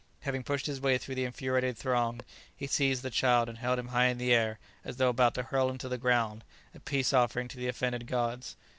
Having pushed his way through the infuriated throng, he seized the child and held him high in the air, as though about to hurl him to the ground, a peace offering to the offended gods.